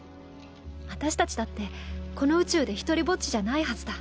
私たちだってこの宇宙で独りぼっちじゃないはずだ。